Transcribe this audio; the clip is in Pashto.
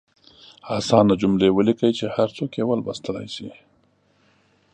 اسانه جملې ولیکئ چې هر څوک یې ولوستلئ شي.